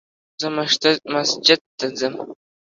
زه مسجد ته ځم